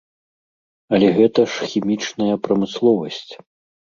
Але гэта ж хімічная прамысловасць.